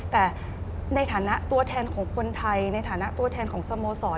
แต่ในฐานะตัวแทนของคนไทยในฐานะตัวแทนของสโมสร